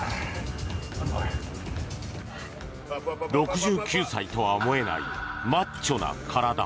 ６９歳とは思えないマッチョな体。